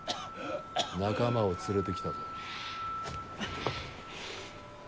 仲間を連れてきたぞ。